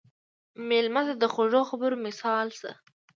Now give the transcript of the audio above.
مېلمه ته د خوږو خبرو مثال شه.